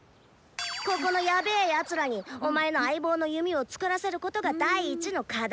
ここのヤベェやつらにお前の相棒の弓を作らせることが第一の課題だ！